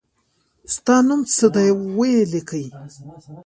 ستا نوم څه دی وي لیکی